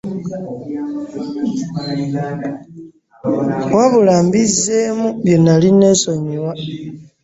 Wabula mbizzemu byenali n'esoyiwa .